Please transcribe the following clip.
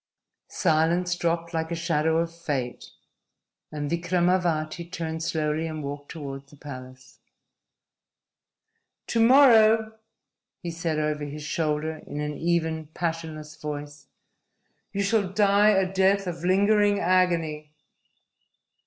Silence dropped like a shadow of fate, and Vikramavati turned slowly and walked toward the palace. "To morrow," he said over his shoulder, in an even, passionless voice, "you shall die a death of lingering agony."